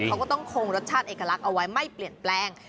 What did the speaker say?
เขาก็ต้องคงรสชาติเอกลักษณ์เอาไว้ไม่เปลี่ยนแปลง